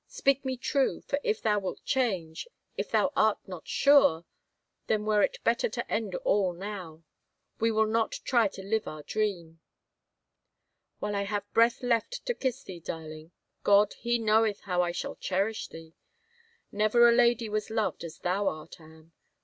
Speak me true, for if thou wilt change, if thou art not sure, then were it better to end all now. ... We will not try to live our dream." '* While I have breath left to kiss thee, darling, God, He knoweth how I shall cherish thee. Never a lady was loved as thou art, Anne. ..